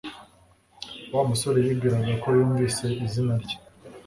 Wa musore yibwiraga ko yumvise izina rye